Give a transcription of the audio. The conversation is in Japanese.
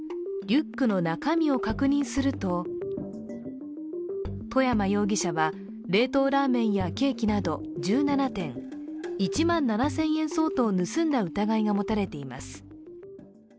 リュックの中身を確認すると外山容疑者は、冷凍ラーメンやケーキなど１７点、１万７０００円相当を盗んだ疑いが持たれています。